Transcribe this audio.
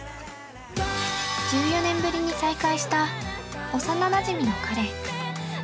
◆１４年ぶりに再会した幼なじみの彼。